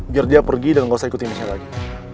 biar dia pergi dan gak usah ikutin saya lagi